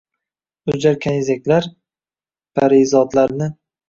O’jar kanizaklar, parizodlarni